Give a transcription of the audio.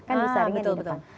kan disaringin di depan